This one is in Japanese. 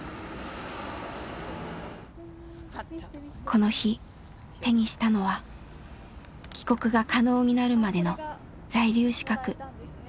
この日手にしたのは帰国が可能になるまでの在留資格。